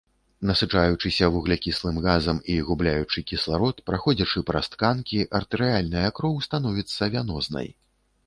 Насычаючыся вуглякіслым газам і губляючы кісларод, праходзячы праз тканкі артэрыяльная кроў становіцца вянознай.